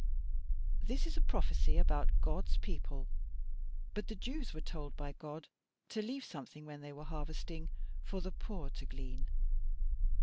This is a prophecy about God's people, but the Jews were told by God to leave something, when they were harvesting, for the poor to glean.